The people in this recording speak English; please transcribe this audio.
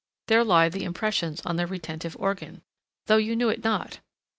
There lie the impressions on the retentive organ, though you knew it not.